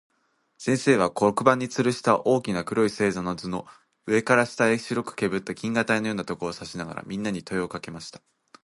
先生は、黒板に吊つるした大きな黒い星座の図の、上から下へ白くけぶった銀河帯のようなところを指さしながら、みんなに問といをかけました。